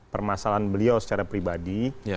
permasalahan beliau secara pribadi